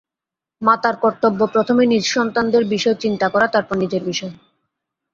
মাতার কর্তব্য প্রথমে নিজ সন্তানদের বিষয় চিন্তা করা, তারপর নিজের বিষয়।